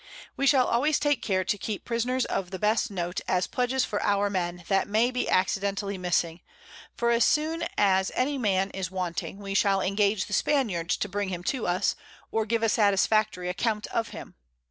We shall always take care to keep Prisoners of the best Note, as Pledged for our Men that may be accidentally missing: for as soon as any Man is wanting, we shall engage the_ Spaniards _to bring him to us, or give a satisfactory account of him.